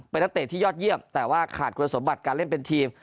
เป็นนักเตะที่ยอดเยี่ยมแต่ว่าขาดคุณสมบัติการเล่นเป็นทีม